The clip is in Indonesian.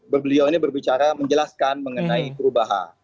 beliau ini berbicara menjelaskan mengenai perubahan